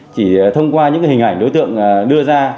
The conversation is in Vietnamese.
chỉ thông qua những hình ảnh đối tượng đưa ra